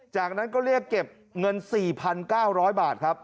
จากนั้นก็เรียกเก็บเงิน๔๙๐๐บาทครับ